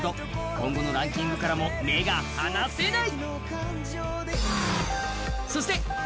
今後のランキングからも目が離せない。